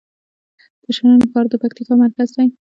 د شرن ښار د پکتیکا مرکز دی